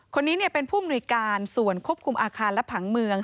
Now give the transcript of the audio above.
คนนี้เป็นผู้มนุยการส่วนควบคุมอาคารและผังเมือง